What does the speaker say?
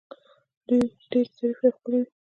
دوی ډیرې ظریفې او ښکلې وې